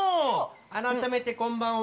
改めて、こんばんは。